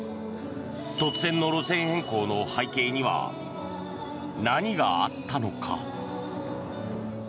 突然の路線変更の背景には何があったのか。